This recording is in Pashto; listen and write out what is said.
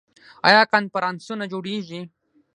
آیا کنفرانسونه جوړیږي؟